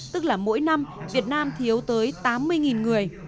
tức là mỗi năm việt nam thiếu tới tám mươi người